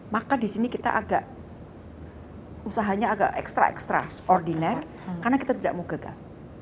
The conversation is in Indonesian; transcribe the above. maka di sini kita agak usahanya agak ekstra ekstraordinar karena kita tidak mau gagal